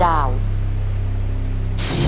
๓ม้าน้ำ